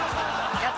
やった。